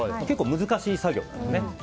結構難しい作業なんでね。